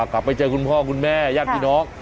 กลับไปเจอคุณพ่อคุณแม่ย่างคุณน้อง